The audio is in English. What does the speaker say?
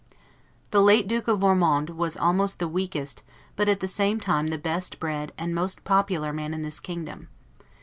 The late Duke of Ormond was almost the weakest but at the same time the best bred, and most popular man in this kingdom.